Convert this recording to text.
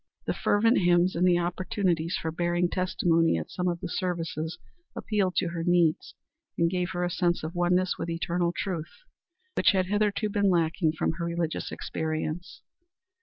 The fervent hymns and the opportunities for bearing testimony at some of the services appealed to her needs and gave her a sense of oneness with eternal truth, which had hitherto been lacking from her religious experience.